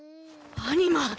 アニマ！